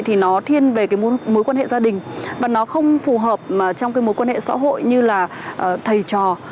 thì nó thiên về cái mối quan hệ gia đình và nó không phù hợp trong cái mối quan hệ xã hội như là thầy trò